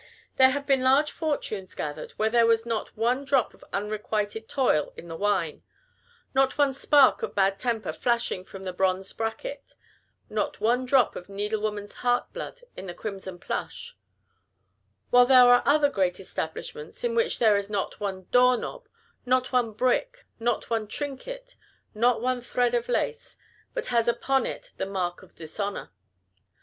There have been large fortunes gathered where there was not one drop of unrequited toil in the wine; not one spark of bad temper flashing from the bronze bracket; not one drop of needle woman's heart blood in the crimson plush; while there are other great establishments in which there is not one door knob, not one brick, not one trinket, not one thread of lace, but has upon it the mark of dishonor.